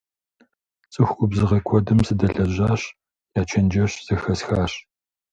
ЦӀыху губзыгъэ куэдым садэлэжьащ, я чэнджэщ зэхэсхащ.